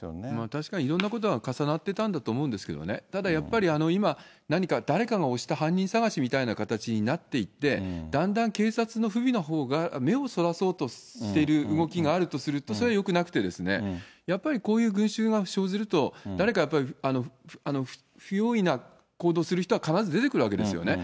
確かにいろんなことが重なってたんだと思うんですけどね、ただやっぱり、今、なにか、誰かが押した、犯人探しみたいな形になっていって、だんだん警察の不備のほうが目をそらそうとしている動きがあるとすると、それ、よくなくて、やっぱりこういう群衆が生ずると、誰かやっぱり不用意な行動をする人は必ず出てくるわけですよね。